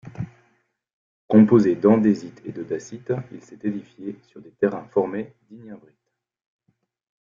Composé d'andésite et de dacite, il s'est édifié sur des terrains formés d'ignimbrites.